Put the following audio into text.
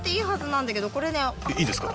いいですか？